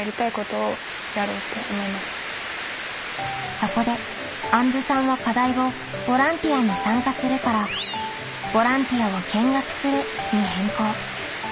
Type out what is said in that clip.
そこであんずさんは課題を「ボランティアに参加する」から「ボランティアを見学する」に変更。